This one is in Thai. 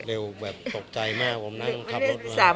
เร็วแบบตกใจมากผมนั่งขับรถมา